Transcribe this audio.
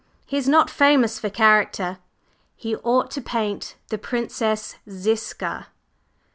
He's not famous for character. He ought to paint the Princess Ziska."